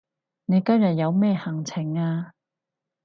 你今日有咩行程啊